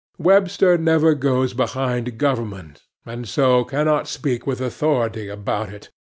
Webster never goes behind government, and so cannot speak with authority about it.